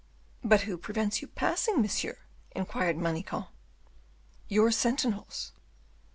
"But who prevents you passing, monsieur?" inquired Manicamp. "Your sentinels."